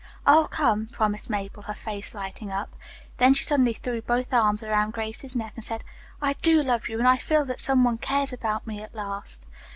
"I'll come," promised Mabel, her face lighting up. Then she suddenly threw both arms around Grace's neck and said, "I do love you, and I feel that some one cares about me at last."